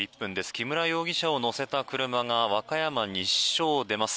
木村容疑者を乗せた車が和歌山西署を出ます。